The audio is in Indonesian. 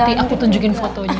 nanti aku tunjukin fotonya